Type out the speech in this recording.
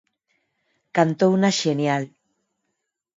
Cantouna xenial.